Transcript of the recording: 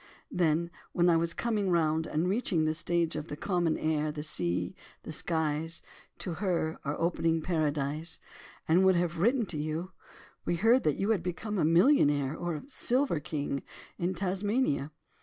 Then, when I was coming round, and reaching the stage of 'the common air, the sea, the skies, to "her" are opening Paradise,' and would have written to you, we heard that you had become a millionaire or a 'silver king' in Tasmania.